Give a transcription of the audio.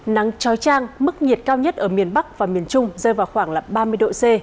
nắng trói trang mức nhiệt cao nhất ở miền bắc và miền trung rơi vào khoảng ba mươi độ c